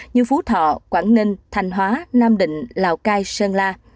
như phú thọ quảng ninh thành hóa nam định lào cai sơn la